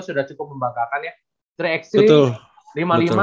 sudah cukup membanggakan ya tiga x